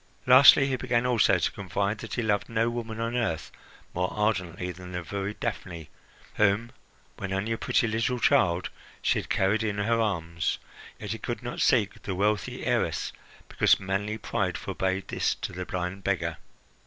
Lastly, he began also to confide that he loved no woman on earth more ardently than the very Daphne whom, when only a pretty little child, she had carried in her arms, yet that he could not seek the wealthy heiress because manly pride forbade this to the blind beggar.